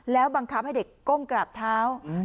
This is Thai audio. แล้วบังคับให้เด็กก้มกราบเท้า